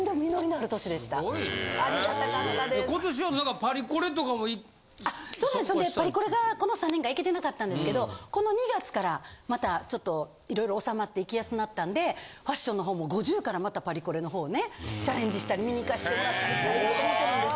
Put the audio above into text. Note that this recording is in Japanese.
パリコレがこの３年間行けてなかったんですけどこの２月からまたちょっと色々おさまって行きやすなったんでファッションの方も５０からまたパリコレの方ねチャレンジしたり見に行かして貰ったりしたいなと思ってるんです！